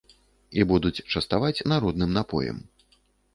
І будуць частаваць народным напоем.